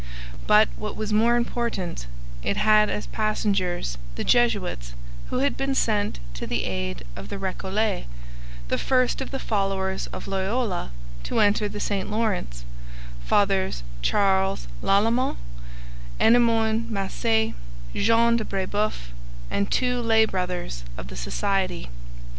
But, what was more important, it had as passengers the Jesuits who had been sent to the aid of the Recollets, the first of the followers of Loyola to enter the St Lawrence Fathers Charles Lalemant, Ennemond Masse, Jean de Brebeuf, and two lay brothers of the Society.